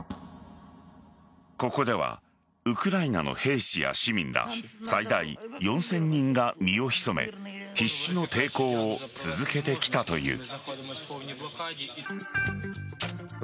ここではウクライナの兵士や市民ら最大４０００人が身を潜め必死の抵抗を続けてきたという。